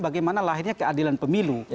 bagaimana lahirnya keadilan pemilu